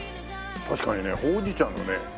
確かにねほうじ茶のね